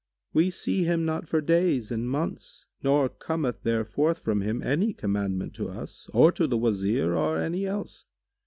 We see him not for days and months nor cometh there forth from him any commandment to us or to the Wazir or any else.